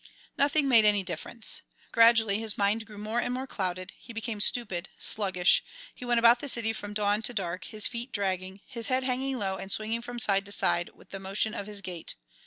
Nothing made any difference. Gradually his mind grew more and more clouded; he became stupid, sluggish. He went about the city from dawn to dark, his feet dragging, his head hanging low and swinging from side to side with the motion of his gait.